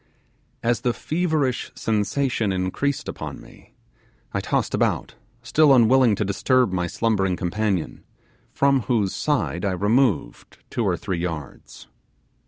As the feverish sensation increased upon me I tossed about, still unwilling to disturb my slumbering companion, from whose side I removed two or three yards.